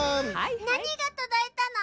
なにがとどいたの？